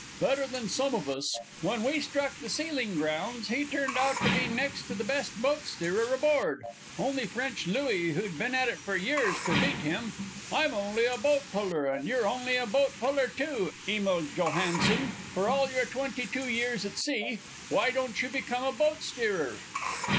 "Better than some of us! When we struck the sealing grounds he turned out to be next to the best boat steerer aboard. Only French Louis, who'd been at it for years, could beat him. I'm only a boat puller, and you're only a boat puller, too, Emil Johansen, for all your twenty two years at sea. Why don't you become a boat steerer?"